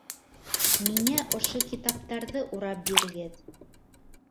Миңә ошо китаптарҙы урап бирегеҙ